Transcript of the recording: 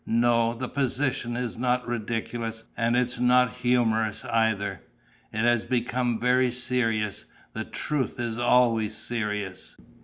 No, the position is not ridiculous and it's not humorous either. It has become very serious: the truth is always serious.